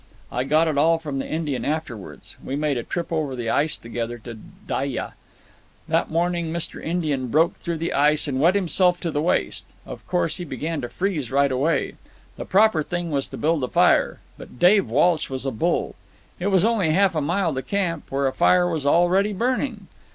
I got it all from the Indian afterwards—we made a trip over the ice together to Dyea. That morning Mr. Indian broke through the ice and wet himself to the waist. Of course he began to freeze right away. The proper thing was to build a fire. But Dave Walsh was a bull. It was only half a mile to camp, where a fire was already burning.